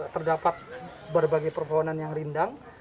terdapat berbagai perpohonan yang rindang